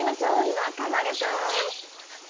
中丸君！